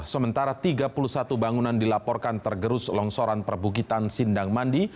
sementara tiga puluh satu bangunan dilaporkan tergerus longsoran perbukitan sindang mandi